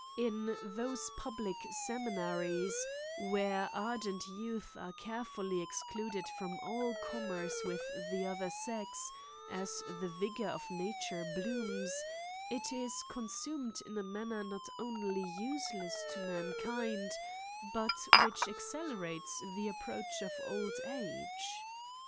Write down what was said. In those public seminaries, where ardent youth are care fully excluded from all commerce with the other sex, as the vigour of nature blooms, it is consu med in a manner not only useless to mankind, but which accelerates the approach of old age.